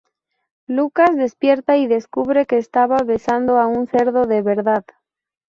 Lucas despierta y descubre que estaba besando a un cerdo de verdad.